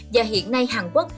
và hiện nay hàn quốc